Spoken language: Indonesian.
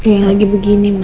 ya lagi begini mas